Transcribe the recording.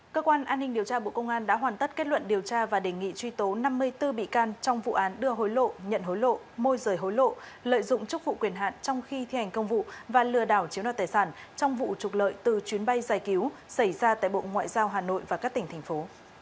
cơ quan an ninh điều tra bộ công an đã hoàn tất kết luận điều tra và đề nghị truy tố năm mươi bốn bị can trong vụ án đưa hối lộ nhận hối lộ môi rời hối lộ lợi dụng chức vụ quyền hạn trong khi thi hành công vụ và lừa đảo chiếu nọ tài sản trong vụ trục lợi từ chuyến bay giải cứu xảy ra tại bộ ngoại giao hà nội và các tỉnh thành phố